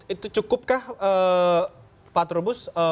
itu cukupkah pak terobos